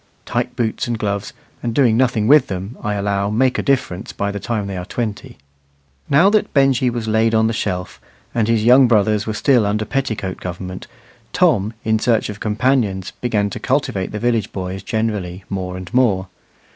Tight boots and gloves, and doing nothing with them, I allow make a difference by the time they are twenty. Now that Benjy was laid on the shelf, and his young brothers were still under petticoat government, Tom, in search of companions, began to cultivate the village boys generally more and more.